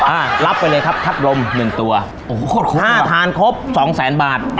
อ่ารับไปเลยครับพัดลมหนึ่งตัวโอ้โหถ้าทานครบสองแสนบาท